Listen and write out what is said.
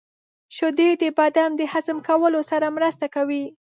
• شیدې د بدن د هضم کولو سره مرسته کوي.